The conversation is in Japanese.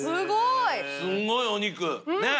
すごいお肉ねぇ！